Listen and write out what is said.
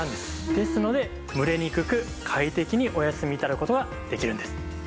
ですので蒸れにくく快適にお休み頂く事ができるんです。